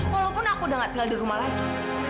walaupun aku udah gak tinggal di rumah lagi